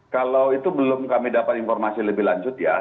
kalau itu belum kami dapat informasi lebih lanjut ya